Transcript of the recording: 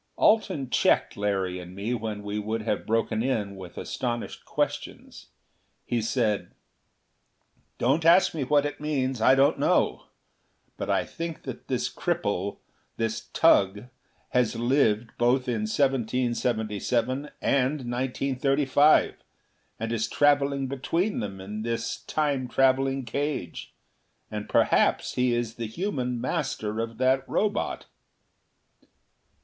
Alten checked Larry and me when we would have broken in with astonished questions. He said: "Don't ask me what it means; I don't know. But I think that this cripple this Tugh has lived both in 1777 and 1935, and is traveling between them in this Time traveling cage. And perhaps he is the human master of that Robot."